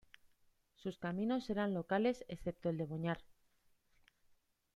Sus caminos eran locales excepto el de Boñar.